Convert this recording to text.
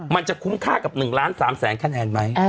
มันจะคุ้มค่ากับ๑ล้าน๓แสนคะแนนไหม